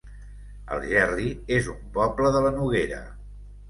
Algerri es un poble de la Noguera